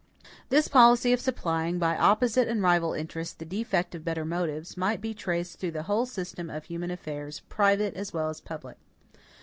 This policy of supplying, by opposite and rival interests, the defect of better motives, might be traced through the whole system of human affairs, private as well as public.